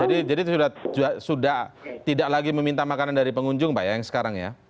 jadi jadi sudah sudah tidak lagi meminta makanan dari pengunjung pak yang sekarang ya